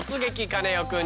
カネオくん」。